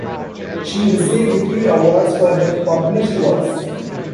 She received three awards for her published works.